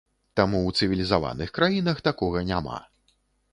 Таму ў цывілізаваных краінах такога няма.